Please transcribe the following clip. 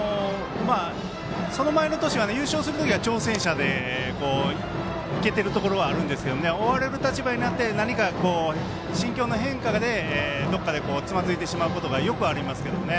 その前の年は優勝する時は挑戦者でいけてるところはあるんですけど追われる立場になって何か、心境の変化で、どこかでつまずいてしまうところがよくありますよね。